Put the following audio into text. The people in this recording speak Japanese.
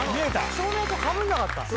照明とかぶんなかった。